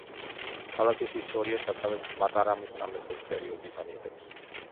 ქალაქის ისტორია სათავეს მატარამის სამეფოს პერიოდიდან იღებს.